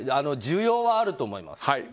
需要はあると思います。